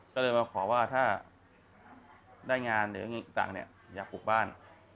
ก็เลยมาขอว่าถ้าได้งานหรือต่างเนี่ยอยากปลูกบ้าน